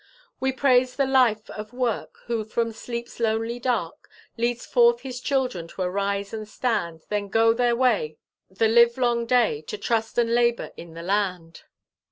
We praise the Life of Work, Who from sleep's lonely dark Leads forth his children to arise and stand, Then go their way, The live long day, To trust and labour in the land.